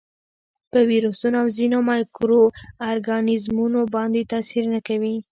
په ویروسونو او ځینو مایکرو ارګانیزمونو باندې تاثیر نه کوي.